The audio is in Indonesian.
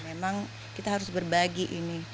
memang kita harus berbagi ini